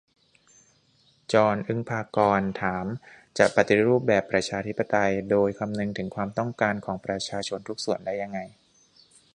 จอน อึ๊งภากรณ์ ถาม จะปฏิรูปแบบประชาธิปไตยโดยคำนึงถึงความต้องการของประชาชนทุกส่วนได้ยังไง ?